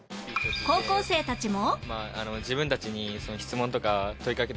高校生たちも